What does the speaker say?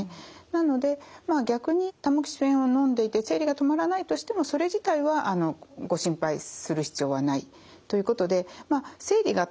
なのでまあ逆にタモキシフェンをのんでいて生理が止まらないとしてもそれ自体はご心配する必要はないということで続いて４５歳の女性から。